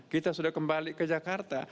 kita sudah kembali ke jakarta